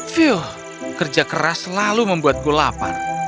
fio kerja keras selalu membuatku lapar